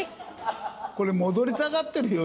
これ戻りたがってるよ